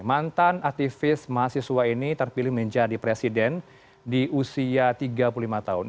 mantan aktivis mahasiswa ini terpilih menjadi presiden di usia tiga puluh lima tahun